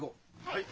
はい。